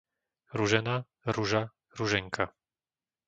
Ružena, Ruža, Ruženka